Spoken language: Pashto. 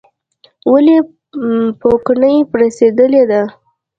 ولې پوکڼۍ پړسیدلې ده؟